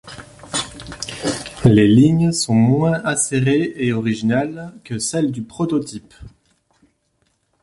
Les lignes sont moins acérées et originales que celles du prototype.